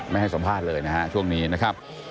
ไม่ให้สัมภาษณ์เลยนะฮะช่วงนี้นะครับ